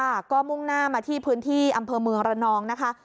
ค่ะก็มุ่งหน้ามาที่พื้นที่อำเภอเมืองระนองนะคะ